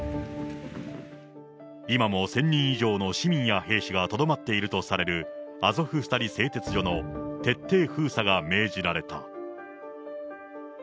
今も１０００人以上の市民や兵士がとどまっているとされる、アゾフスタリ製鉄所の徹底封鎖が命じられた。